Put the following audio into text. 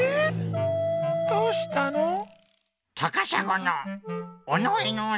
どうしたの？